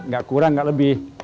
gak kurang gak lebih